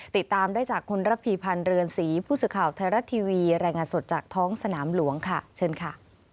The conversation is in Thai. ติดตามได้จากคุณระพีพันธ์เรือนศรีผู้สื่อข่าวไทยรัฐทีวีรายงานสดจากท้องสนามหลวงค่ะเชิญค่ะ